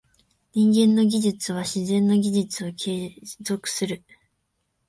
人間の技術は自然の技術を継続する。